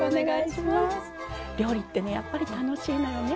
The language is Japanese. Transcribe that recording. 料理ってやっぱり楽しいのよね。